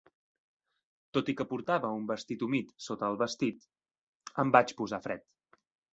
Tot i que portava un vestit humit sota el vestit, em vaig posar fred.